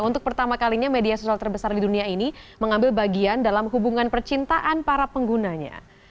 untuk pertama kalinya media sosial terbesar di dunia ini mengambil bagian dalam hubungan percintaan para penggunanya